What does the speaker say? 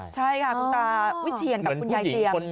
ใช่ค่ะคุณตาวิเชียนกับคุณยายเตียง